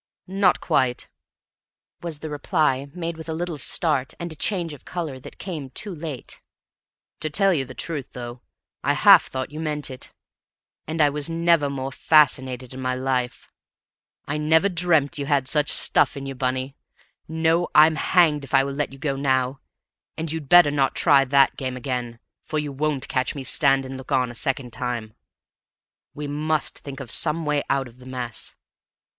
"Not quite," was the reply, made with a little start, and a change of color that came too late. "To tell you the truth, though, I half thought you meant it, and I was never more fascinated in my life. I never dreamt you had such stuff in you, Bunny! No, I'm hanged if I let you go now. And you'd better not try that game again, for you won't catch me stand and look on a second time. We must think of some way out of the mess.